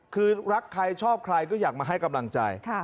คือรักใครชอบใครก็อยากมาให้กำลังใจ